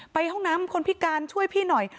ห้องน้ำคนพิการช่วยพี่หน่อย